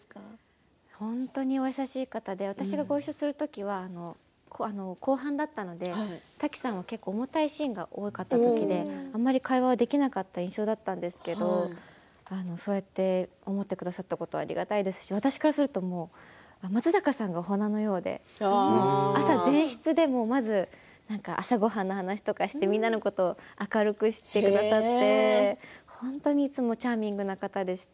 本当に優しい方でごいっしょさせていただくのは後半だったのでタキさんは、重たいシーンが多かったので会話ができなかった印象なんですけれどそうやって思ってくださったこともありがたいですし私からすると松坂さんがお花のようで朝、前室でもまず朝ごはんの話をしてみんなのことを明るくしてくださって本当にいつもチャーミングな方でした。